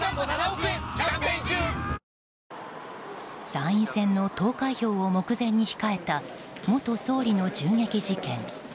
参院選の投開票を目前に控えた元総理の銃撃事件。